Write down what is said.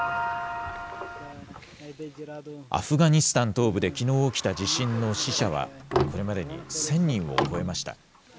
アフガニスタン東部できのう起きた地震の死者はこれまでに１０００人を超えました。